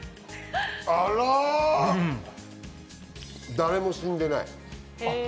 誰も死んでない。